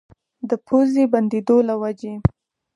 د پوزې بندېدو له وجې